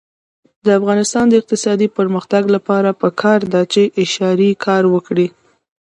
د افغانستان د اقتصادي پرمختګ لپاره پکار ده چې اشارې کار وکړي.